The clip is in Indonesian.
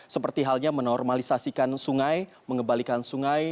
seperti halnya menormalisasikan sungai mengembalikan sungai